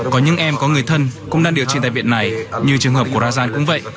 có những em có người thân cũng đang điều trị tại viện này như trường hợp của rajan cũng vậy